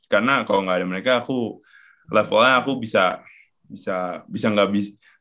karena kalau gak ada mereka aku levelnya aku bisa bisa gak bisa